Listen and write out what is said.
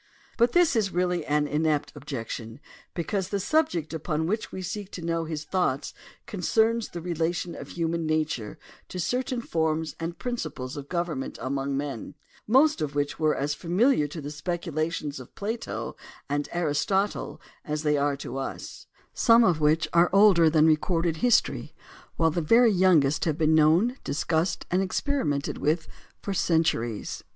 But this is really an inept objection because the subject upon which we seek to know his thoughts concerns the relation of human nature to certain forms and principles of government among men, most of which were as familiar to the speculations of Plato and Aristotle as they are to us; some of which are older than recorded history while the very young est have been known, discussed, and experimented with for centuries.